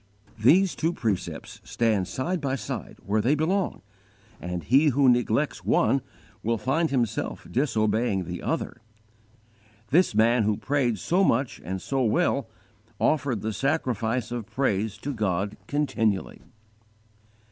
These two precepts stand side by side where they belong, and he who neglects one will find himself disobeying the other. This man who prayed so much and so well, offered the sacrifice of praise to God continually.